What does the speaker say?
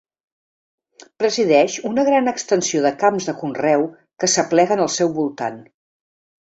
Presideix una gran extensió de camps de conreu que s'apleguen al seu voltant.